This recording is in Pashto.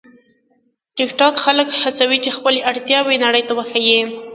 ټیکټاک خلک هڅوي چې خپلې وړتیاوې نړۍ ته وښيي.